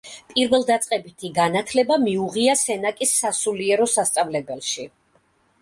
პირველდაწყებითი განათლება მიუღია სენაკის სასულიერო სასწავლებელში.